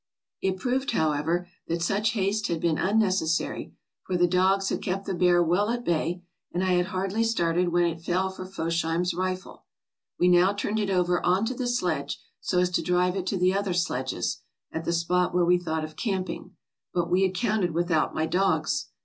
"It proved, however, that such haste had been unnecessary, for the dogs had kept the bear well at bay, and I had hardly started when it fell for Fosheim's rifle. We now turned it over on to the sledge, so as to drive it to the other sledges, at the spot where we thought of camping; but we had counted without my dogs.